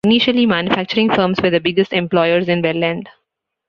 Initially, manufacturing firms were the biggest employers in Welland.